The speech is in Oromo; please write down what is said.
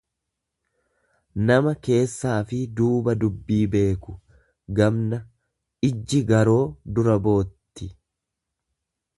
nama keessaafi duuba dubbii beeku, gamna; Ijji garoo dura bootti.